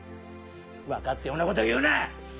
分かったようなことを言うな！